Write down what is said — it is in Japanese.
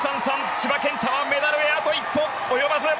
千葉健太はメダルへあと一歩及ばず。